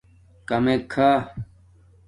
کمک کھا